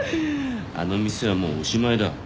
あの店はもうおしまいだ。